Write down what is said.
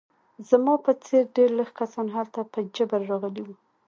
زما په څېر ډېر لږ کسان هلته په جبر راغلي وو